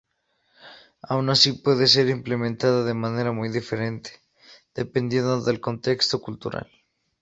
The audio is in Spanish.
Aun así, pueda ser implementada de manera muy diferente, dependiendo de el contexto cultural.